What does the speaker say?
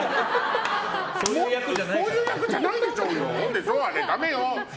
そういうやつじゃないでしょうよ。だめよ！